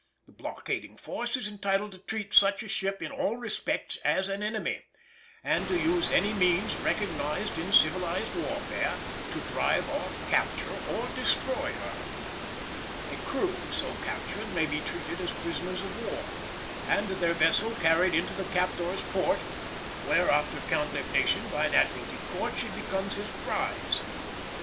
The blockading force is entitled to treat such a ship in all respects as an enemy, and to use any means recognised in civilised warfare to drive off, capture, or destroy her. A crew so captured may be treated as prisoners of war, and their vessel carried into the captor's port, where after condemnation by an Admiralty court she becomes his prize.